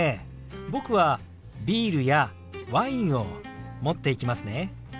僕はビールやワインを持っていきますね。